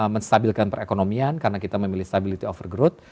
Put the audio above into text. menstabilkan perekonomian karena kita memilih stability overgrowth